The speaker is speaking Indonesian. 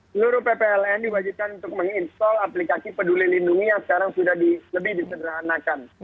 seluruh ppln diwajibkan untuk menginstall aplikasi peduli lindungi yang sekarang sudah lebih disederhanakan